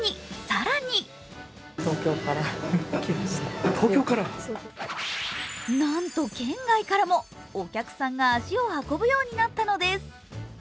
更になんと県外からもお客さんが足を運ぶようになったのです。